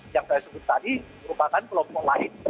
yang saya sebut tadi merupakan kelompok lain